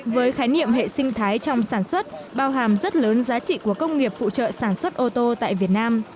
với khái niệm hệ sinh thái trong sản xuất bao hàm rất lớn giá trị của công nghiệp phụ trợ sản xuất ô tô tại việt nam